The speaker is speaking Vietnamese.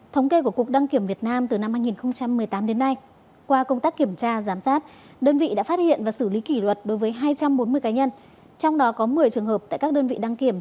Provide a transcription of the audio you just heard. thống kê của cục đăng kiểm việt nam từ năm hai nghìn một mươi tám đến nay qua công tác kiểm tra giám sát đơn vị đã phát hiện và xử lý kỷ luật đối với hai trăm bốn mươi cá nhân trong đó có một mươi trường hợp tại các đơn vị đăng kiểm